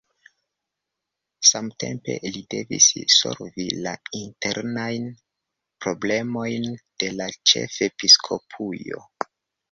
Samtempe li devis solvi la internajn problemojn de la ĉefepiskopujo.